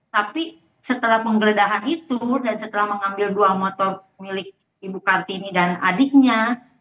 tapi setelah penggeledahan itu dan setelah mengambil dua motor milik ibu kartini dan adiknya